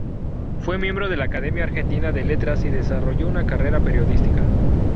Fue miembro de la Academia Argentina de Letras y desarrolló una carrera periodística.